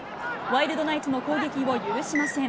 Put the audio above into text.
ワイルドナイツの攻撃を許しません。